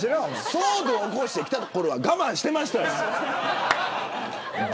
騒動を起こしてきたころは我慢してましたよ。